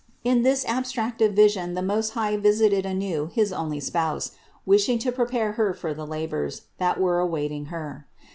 In this abstractive vision the Most High visited anew his only Spouse, wishing to prepare Her for the labors, that were awaiting Her.